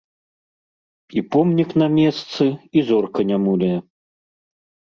І помнік на месцы, і зорка не муляе.